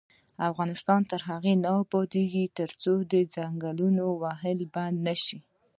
افغانستان تر هغو نه ابادیږي، ترڅو د ځنګلونو وهل بند نشي.